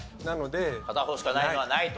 片方しかないのはないと。